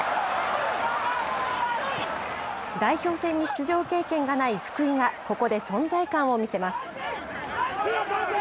代表戦に出場経験がない福井がここで存在感を見せます。